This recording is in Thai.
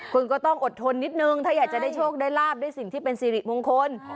คุณก็ต้องอดทนนิดนึงถ้าอยากจะได้โชคได้ลาบได้สิ่งที่เป็นสิริมงคล